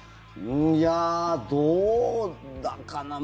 いや、どうだかな。